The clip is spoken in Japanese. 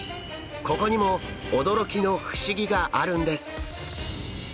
ここにも驚きの不思議があるんです。